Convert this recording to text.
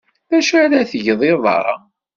D acu ara tgeḍ iḍ-a?